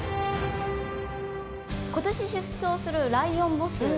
今年出走するライオンボス。